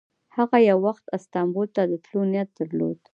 هغه یو وخت استانبول ته د تللو نیت درلود.